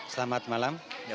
selamat malam pak